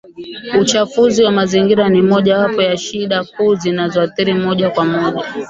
Uchafuzi wa mazingira ni moja wapo ya shida kuu zinazoathiri moja kwa moja